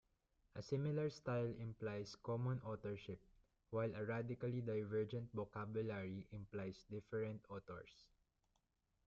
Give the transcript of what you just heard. A similar style implies common authorship, while a radically divergent vocabulary implies different authors.